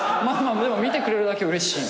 でも見てくれるだけうれしい。